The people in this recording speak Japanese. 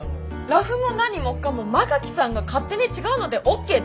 ラフも何もかも馬垣さんが勝手に違うのでＯＫ出してたんです。